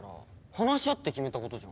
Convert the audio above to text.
話し合って決めたことじゃん。